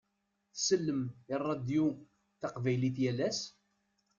Tsellem i ṛṛadio taqbaylit yal ass?